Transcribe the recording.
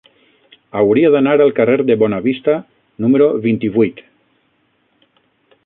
Hauria d'anar al carrer de Bonavista número vint-i-vuit.